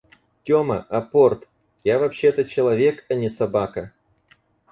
«Тёма, апорт!» — «Я вообще-то человек, а не собака».